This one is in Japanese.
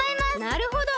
なるほど！